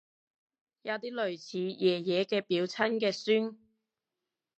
有啲類似爺爺嘅表親嘅孫